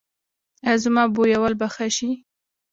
ایا زما بویول به ښه شي؟